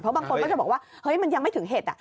บางคนก็จะบอกว่าเฮ้ยมันยังไม่ถึงเห็ด